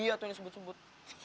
bukan dia tuh yang sebut sebut